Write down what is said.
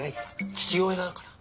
父親だから。